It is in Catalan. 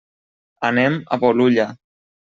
Anem a Bolulla.